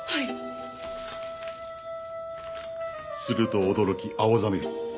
すると驚き青ざめる。